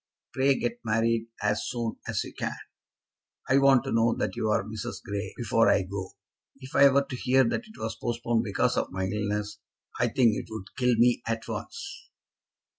Pray get married as soon as you can. I want to know that you are Mrs. Grey before I go. If I were to hear that it was postponed because of my illness, I think it would kill me at once."